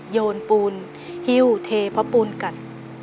โยนปูนหิ้วเทเพราะปูนกัด